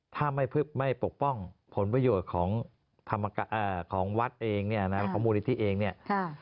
ถ้าไม่ปกป้องผลประโยชน์ของมูลนิธิเองเนี่ย